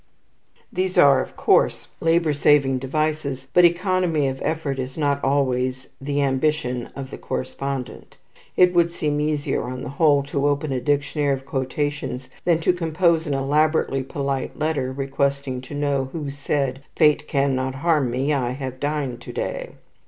These are, of course, labour saving devices, but economy of effort is not always the ambition of the correspondent. It would seem easier, on the whole, to open a dictionary of quotations than to compose an elaborately polite letter, requesting to know who said "Fate cannot harm me; I have dined to day."